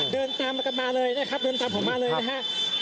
เดินตามมากันมาเลยนะครับเดินตามผมมาเลยนะฮะ